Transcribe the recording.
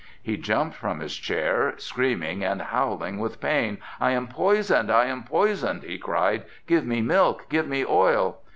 He jumped from his chair, screaming and howling with pain. "I am poisoned! I am poisoned!" he cried, "give me milk, give me oil!"